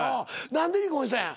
何で離婚したんや？